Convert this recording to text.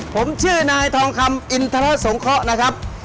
ผมชื่อนายทองคำอินทรสงเคราะห์นะครับ